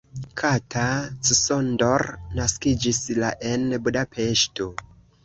Kata Csondor naskiĝis la en Budapeŝto.